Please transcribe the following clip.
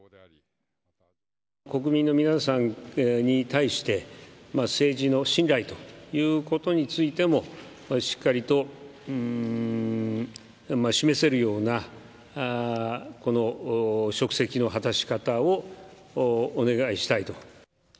国民の皆さんに対して、政治の信頼ということについても、しっかりと示せるような、職責の果たし方をお願いしたいと。